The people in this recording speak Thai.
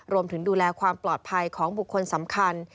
ดูแลความปลอดภัยของบุคคลสำคัญ